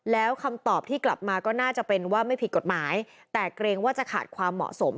แล้วคำตอบที่กลับมาก็น่าจะเป็นว่าไม่ผิดกฎหมายแต่เกรงว่าจะขาดความเหมาะสม